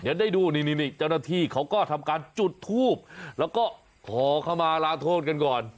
เดี๋ยวได้ดูนี่เจ้าหน้าที่เขาก็ทำการจุดทูบแล้วก็ขอเข้ามาลาโทษกันก่อน